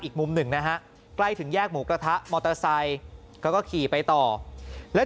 ยิ่งมุม๑กล้ายถึงแยกหมูกระทะเมาเตอร์ไซซ์ก็ก็ขี่ไปต่อแล้ว